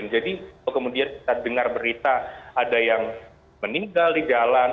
jadi kemudian kita dengar berita ada yang meninggal di jalan